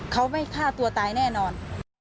เขาไม่ฆ่าตัวตายแน่นอน